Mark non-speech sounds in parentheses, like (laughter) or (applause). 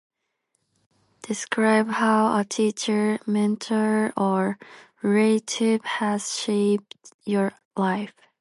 Describe how a teacher, mentor or (unintelligible) has shaped your life.